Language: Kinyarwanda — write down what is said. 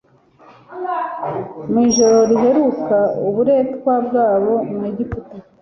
Mu ijoro riheruka uburetwa bwabo mu Egiputa,